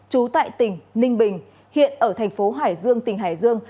trú tại tỉnh ninh bình hiện ở thành phố hải dương tỉnh hải dương